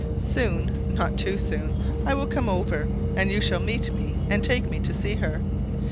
Soon, not too soon, I will come over; and you shall meet me and take me to see her.